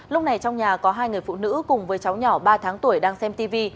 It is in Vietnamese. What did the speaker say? lúc này trong nhà có hai người phụ nữ cùng với cháu nhỏ ba tháng tuổi đang xem tv